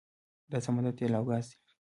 دا سمندر تیل او ګاز لري.